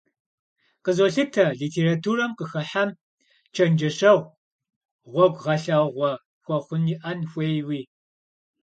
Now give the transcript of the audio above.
Къызолъытэ, литературэм къыхыхьэм чэнджэщэгъу, гъуэгугъэлъагъуэ хуэхъун иӀэн хуейуи.